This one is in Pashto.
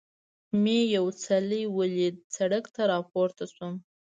مې یو څلی ولید، سړک ته را پورته شوم.